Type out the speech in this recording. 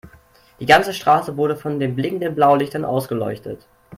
Die ganze Straße wurde von den blinkenden Blaulichtern ausgeleuchtet.